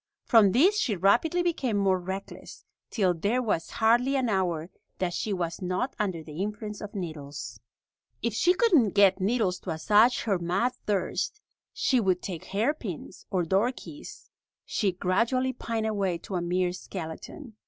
From this she rapidly became more reckless, till there was hardly an hour that she was not under the influence of needles. If she couldn't get needles to assuage her mad thirst, she would take hairpins or door keys. She gradually pined away to a mere skeleton.